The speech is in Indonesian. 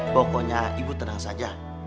pokoknya ibu tenang saja